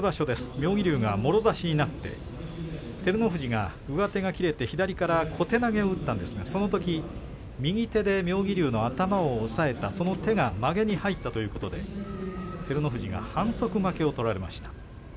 妙義龍がもろ差しになって照ノ富士が上手が切れて左から小手投げを打ったんですがそのとき、右手で妙義龍の頭を押さえたその手がまげに入ったということで照ノ富士が反則負けを取られました。